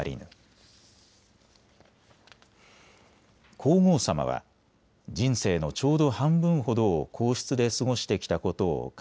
皇后さまは、人生のちょうど半分ほどを皇室で過ごしてきたことを感慨